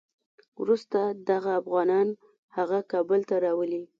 وروسته دغه افغانان هغه کابل ته راولي.